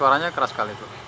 suaranya keras kali itu